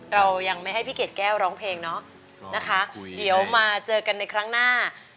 เรายังไม่ให้พี่เกดแก้วร้องเพลงเนาะนะคะเดี๋ยวมาเจอกันในครั้งหน้า